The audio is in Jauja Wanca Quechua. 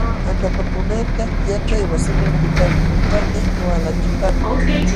Akapakunakaqta yaćhaywasiman lipakunanpaqmi walachipaakuu.